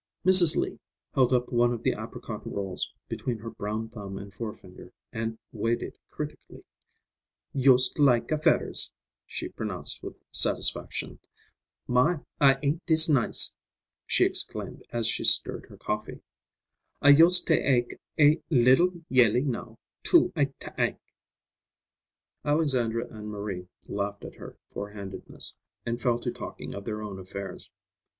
Mrs. Lee held up one of the apricot rolls between her brown thumb and forefinger and weighed it critically. "Yust like a fedders," she pronounced with satisfaction. "My, a an't dis nice!" she exclaimed as she stirred her coffee. "I yust ta ake a liddle yelly now, too, I ta ank." Alexandra and Marie laughed at her forehandedness, and fell to talking of their own affairs.